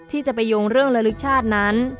ที่จะไปโยงเรื่องระลึกชาตินั้น